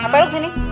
ngapain lu disini